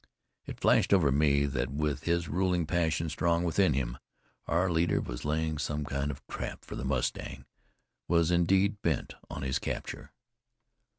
It flashed over me that, with his ruling passion strong within him, our leader was laying some kind of trap for that mustang, was indeed bent on his capture.